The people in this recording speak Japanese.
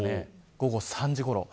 午後３時ごろ。